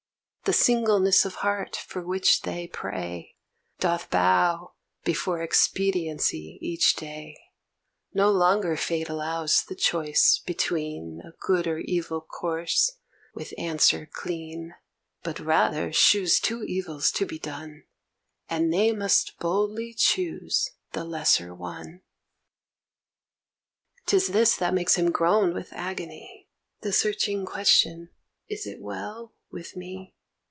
The singleness of heart for which they pray, Doth bow before expediency each day; No longer fate allows the choice between A good or evil course with answer clean But rather shews two evils to be done, And they must boldly choose the lesser one. 'Tis this that makes him groan with agony, The searching question 'Is it well with me?'